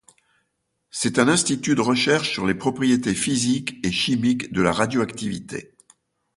C’est un institut de recherches sur les propriétés physiques et chimiques de la radioactivité.